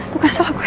bukan salah gue